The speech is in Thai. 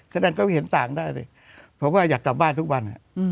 แสดงก็ไม่เห็นต่างได้เลยเพราะว่าอยากกลับบ้านทุกวัน